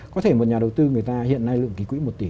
có thể một nhà đầu tư người ta hiện nay lượng ký quỹ một tỷ